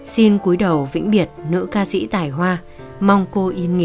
xin cuối đầu vĩnh biệt nữ ca sĩ tài hoa mong cô yên nghỉ